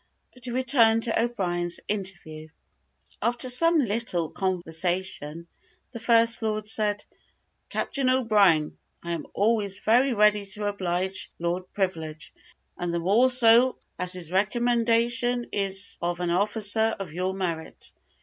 But to return to O'Brien's interview. After some little conversation, the First Lord said, "Captain O'Brien, I am always very ready to oblige Lord Privilege, and the more so as his recommendation is of an officer of your merit.